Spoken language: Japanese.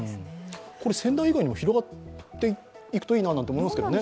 仙台以外にも広がっていくといいなと思いますけどね。